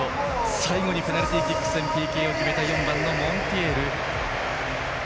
最後にペナルティーキック戦でＰＫを決めた４番、モンティエル。